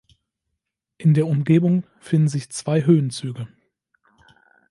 In der Umgebung finden sich zwei Höhenzüge.